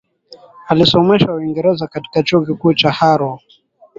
Alisomeshwa Uingereza katika Chuo Kikuu cha Harrow